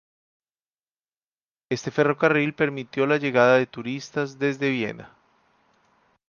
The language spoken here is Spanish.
Este ferrocarril permitió la llegada de turistas desde Viena.